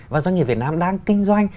và doanh nghiệp việt nam đang kinh doanh